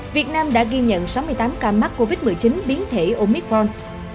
việt nam đã ghi nhận sáu mươi tám ca mắc covid một mươi chín biến thể omicron